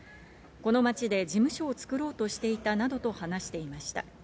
この街で事務所を作ろうとしていたなどと話していました。